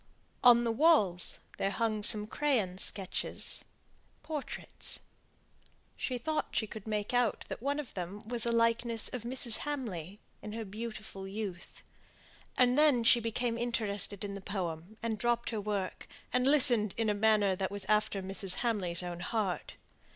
On the walls there hung some crayon sketches portraits. She thought she could make out that one of them was a likeness of Mrs. Hamley, in her beautiful youth. And then she became interested in the poem, and dropped her work, and listened in a manner that was after Mrs. Hamley's own heart.